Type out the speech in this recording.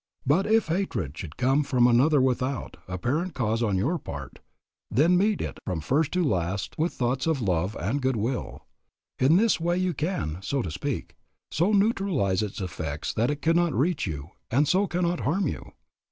But if hatred should come from another without apparent cause on your part, then meet it from first to last with thoughts of love and good will. In this way you can, so to speak, so neutralize its effects that it cannot reach you and so cannot harm you.